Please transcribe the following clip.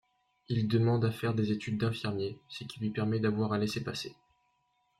Il demande à faire des études d'infirmiers, ce qui lui permet d'avoir un laissez-passer.